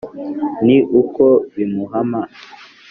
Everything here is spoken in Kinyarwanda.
ni uko bimuhama,